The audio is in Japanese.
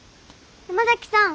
山崎さん。